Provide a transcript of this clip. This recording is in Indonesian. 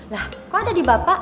lah kok ada di bapak